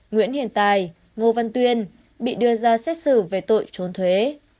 nguyễn hiền tài ngô văn tuyên bị đưa ra xét xử về tội trốn thuế